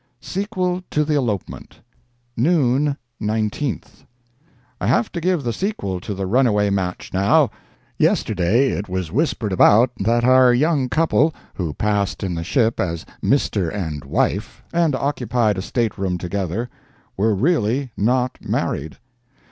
SEQUEL TO THE ELOPEMENT NOON, 19th. I have to give the sequel to the runaway match now. Yesterday it was whispered about that our young couple, who passed in the ship as "Mr. and wife," and occupied a state room together, were really not married!